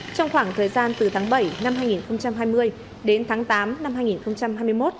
trong khoảng thời gian từ tháng bảy năm hai nghìn hai mươi đến tháng tám năm hai nghìn hai mươi một